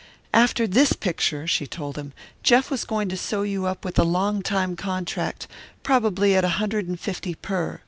"After this picture," she told him, "Jeff was going to sew you up with a long time contract, probably at a hundred and fifty per.